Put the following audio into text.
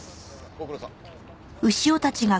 ご苦労さん。